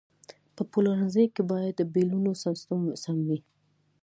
په پلورنځي کې باید د بیلونو سیستم سم وي.